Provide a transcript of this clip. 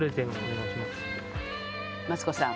マツコさん